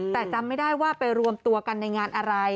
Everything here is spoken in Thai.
แต่จำไม่ได้ว่าไปรวมตัวกันในงานอะไร